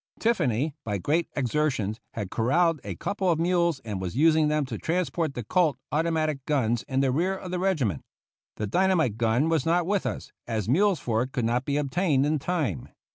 Tiffany, by great exertions, had corralled a couple of mules and was using them to transport the Colt automatic guns in the rear of the regiment. The dynamite gun was not with us, as mules for it could not be obtained in time.